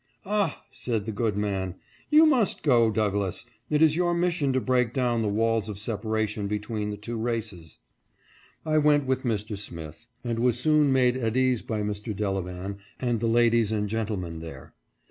" Ah !" said that good man, " you must go, Douglass ; it is your mission to break down the walls of separation between the two races." I went with Mr. Smith, and was soon made at ease by Mr. Delevan and the ladies and gentlemen there.